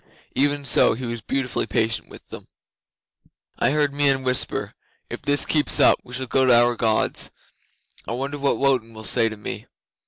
Even so, he was beautifully patient with them. 'I heard Meon whisper, "If this keeps up we shall go to our Gods. I wonder what Wotan will say to me.